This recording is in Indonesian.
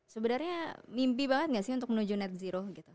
sebenarnya mimpi banget gak sih untuk menuju net zero gitu